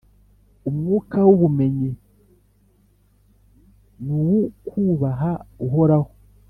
umwuka w’ubumenyi n’uw’ukubaha Uhoraho,